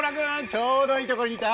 ちょうどいいところにいた。